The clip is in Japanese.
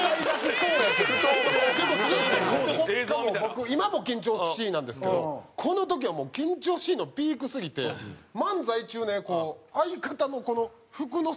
僕今も緊張しいなんですけどこの時はもう緊張しいのピークすぎて漫才中ねこう相方のこの服の袖を持っとかな。